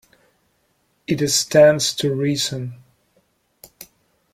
It stands to reason.